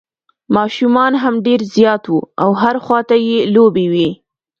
ماشومان هم ډېر زیات وو او هر خوا ته یې لوبې وې.